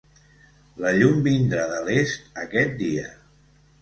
La llum vindrà de l"est aquest dia.